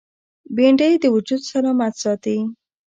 بېنډۍ د وجود سلامت ساتي